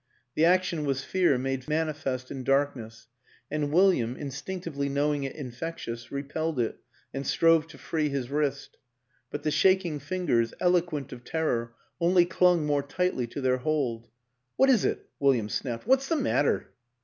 The action was fear made manifest in darkness, and William, instinctively knowing it infectious, repelled it and strove to free his wrist; but the shaking fingers, eloquent of terror, only clung more tightly to their hold. "What is it?" William snapped. "What's the matter?